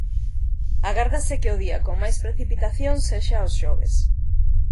Agárdase que o día con máis precipitacións sexa o xoves.